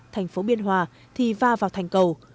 thành phố biên hòa thì va vào thành cầu